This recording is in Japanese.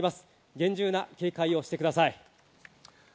厳重な警戒をしてください。